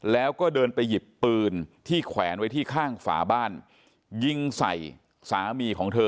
แล้วก็เดินไปหยิบปืนที่แขวนไว้ที่ข้างฝาบ้านยิงใส่สามีของเธอ